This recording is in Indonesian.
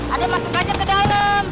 ada yang masuk aja ke dalam